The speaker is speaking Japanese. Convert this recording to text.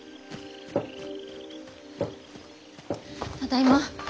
ただいま。